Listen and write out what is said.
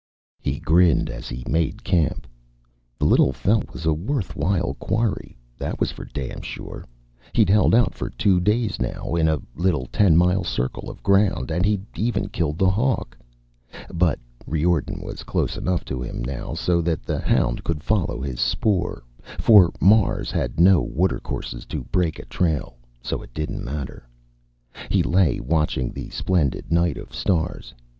He grinned as he made camp. The little fellow was a worthwhile quarry, that was for damn sure. He'd held out for two days now, in a little ten mile circle of ground, and he'd even killed the hawk. But Riordan was close enough to him now so that the hound could follow his spoor, for Mars had no watercourses to break a trail. So it didn't matter. He lay watching the splendid night of stars.